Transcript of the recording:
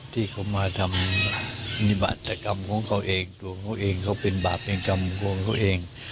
ที่เขามาทำนิบาจกรรมของเขาเองตัวเขาเองเขาเป็นบาปเป็นกรรมของเขาเอง